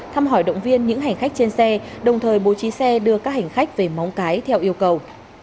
thăm hỏi động viên những hành khách trên xe đồng thời bố trí xe đưa các hành khách về móng cái theo yêu cầu